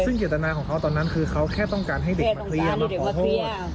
ซึ่งเจตนาของเขาตอนนั้นคือเขาแค่ต้องการให้เด็กมาเคลียร์มาขอโทษ